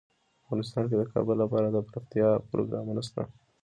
افغانستان کې د کابل لپاره دپرمختیا پروګرامونه شته.